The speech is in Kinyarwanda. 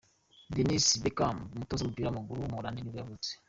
Dennis Bergkamp, umutoza w’umupira w’amaguru w’umuholandi nibwo yavutse.